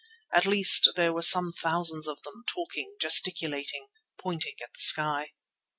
At least there were some thousands of them, talking, gesticulating, pointing at the sky.